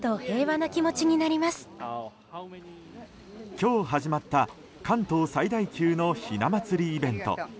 今日始まった関東最大級のひな祭りイベント。